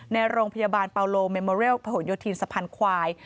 ในโรงพยาบาลปาโลเมโมเรลผนโยธินสะพานควาย